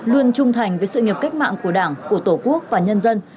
luôn trung thành với sự nghiệp cách mạng của đảng của tổ quốc và nhân dân